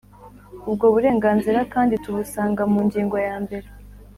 Ubwo burenganzira kandi tubusanga mu ngingo yambere